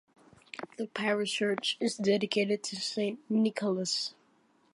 The parish church is dedicated to Saint Nicholas.